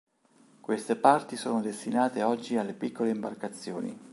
Queste parti sono destinate oggi alle piccole imbarcazioni.